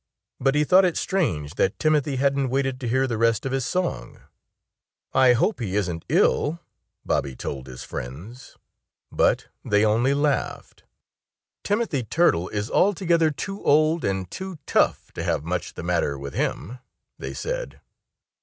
But he thought it strange that Timothy hadn't waited to hear the rest of his song. "I hope he isn't ill," Bobby told his friends. But they only laughed. "Timothy Turtle is altogether too old and tough to have much the matter with him," they said.